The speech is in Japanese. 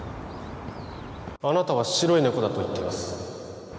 あなたは白いねこだと言ってます